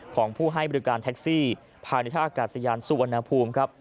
ของผู้ให้บริการแท็กซี่ภายในท่าอากาศยานสุวรรณภูมิครับ